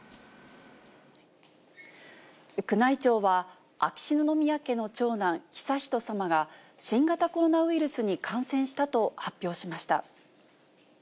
宮内庁は、秋篠宮家の長男、悠仁さまが新型コロナウイルスに感染したと発表しました。